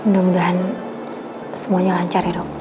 semoga semuanya lancar ya dok